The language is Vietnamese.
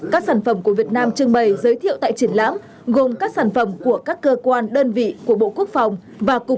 các sản phẩm của việt nam trưng bày giới thiệu tại triển lãm gồm các sản phẩm của các cơ quan đơn vị của bộ quốc phòng và cục